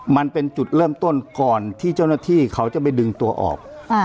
มันเป็นจุดเริ่มต้นก่อนที่เจ้าหน้าที่เขาจะไปดึงตัวออก